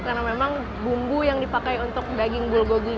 karena memang bumbu yang dipakai untuk daging bulgogi ini